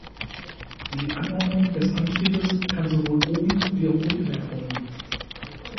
Die Anordnung des Antriebes kann sowohl oben wie auch unten erfolgen.